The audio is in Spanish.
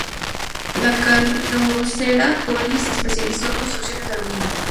La carrocera Colli se especializó en construcciones de aluminio.